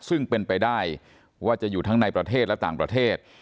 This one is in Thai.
ซึ่งเป็นไปได้ว่าจะอยู่ทั้งในประเทศและต่างประเทศ